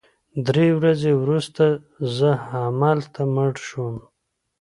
درې ورځې وروسته زه همالته مړ شوم